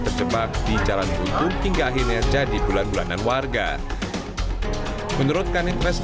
terjebak di jalan buku hingga akhirnya jadi bulanan bulanan warga menurutkan interest